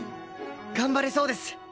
頑張れそうです！